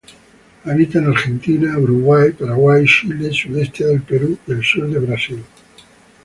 Habita en Argentina, Uruguay, Paraguay, Chile, sudeste de Perú y el sur de Brasil.